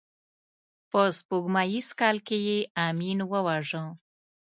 په سپوږمیز کال کې یې امین وواژه.